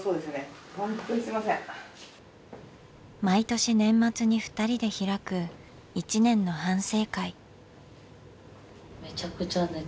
毎年年末にふたりで開く１年の反省会。